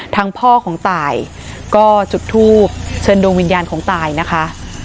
ทางพ่อของตายก็จุดทูบเชิญดวงวิญญาณของตายนะคะ